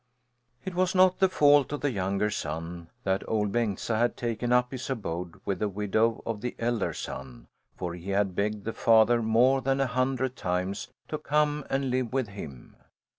It was not the fault of the younger son that Ol' Bengtsa had taken up his abode with the widow of the elder son, for he had begged the father more than a hundred times to come and live with him.